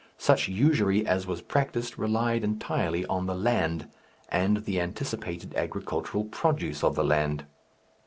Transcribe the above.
Such usury as was practised relied entirely on the land and the anticipated agricultural produce of the land.